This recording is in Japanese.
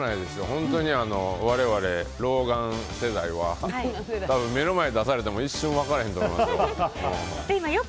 本当に我々、老眼世代は多分、目の前に出されても一瞬分からへんと思いますよ。